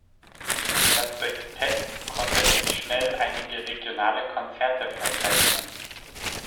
Das Sextett konnte recht schnell einige regionale Konzerte verzeichnen.